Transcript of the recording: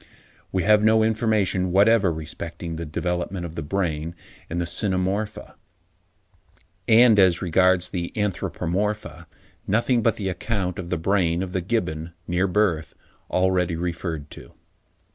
We have no information whatever respecting the development of the brain in the Cynomorpha; and, as regards the Anthropomorpha, nothing but the account of the brain of the Gibbon, near birth, already referred to.